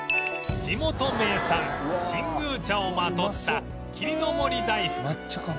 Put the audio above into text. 地元名産新宮茶をまとった霧の森大福